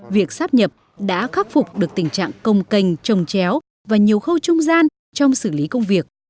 việc sắp nhập đã khắc phục được tình trạng công cành trồng chéo và nhiều khâu trung gian trong xử lý công việc